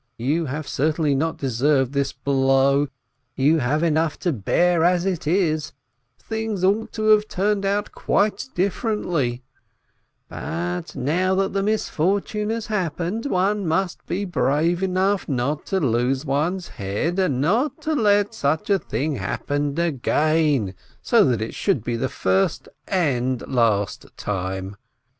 You have certainly not deserved this blow; you have enough to bear as it is — things ought to have turned out quite differently; but now that the misfortune has happened, one must be brave enough not to lose one's head, and not to let such a thing happen again, so that it should be the first and last time!